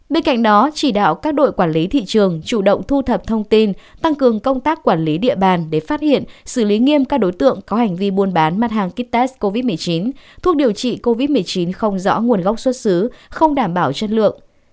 bên cạnh đó chỉ đạo các đội quản lý thị trường chủ động thu thập thông tin tăng cường công tác quản lý địa bàn để phát hiện xử lý nghiêm các đối tượng có hành vi buôn bán mặt hàng kit test covid một mươi chín thuốc điều trị covid một mươi chín không rõ nguồn gốc xuất xứ không đảm bảo chất lượng